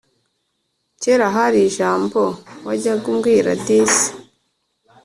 kera hari ijambo wajyaga umbwira disi